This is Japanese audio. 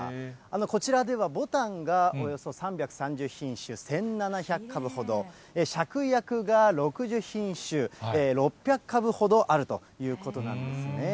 こちらではぼたんがおよそ３３０品種、１７００株ほど、しゃくやくが６０品種、６００株ほどあるということなんですね。